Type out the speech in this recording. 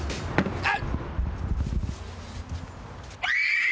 はい。